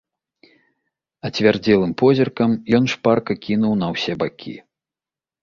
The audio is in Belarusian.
Ацвярдзелым позіркам ён шпарка кінуў на ўсе бакі.